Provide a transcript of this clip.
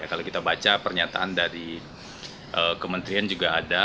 kalau kita baca pernyataan dari kementerian juga ada